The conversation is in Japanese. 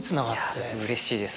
うれしいです